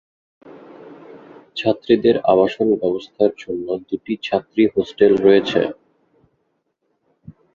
ছাত্রীদের আবাসন ব্যবস্থার জন্য দু'টি ছাত্রী হোস্টেল রয়েছে।